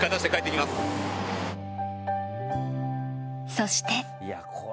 そして。